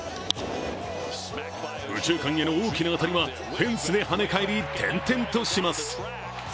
右中間への大きな当たりはフェンスではね返り、転々とします。